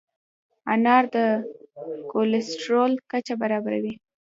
انار د کولیسټرول کچه برابروي.